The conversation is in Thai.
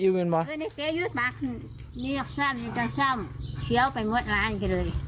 เชี้ยวไปหมดร้านกินเลย